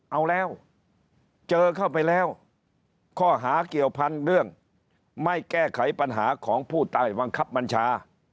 เอาแล้วเจอเข้าไปแล้วข้อหาเกี่ยวพันธุ์เรื่องไม่แก้ไขปัญหาของผู้ใต้บังคับบัญชา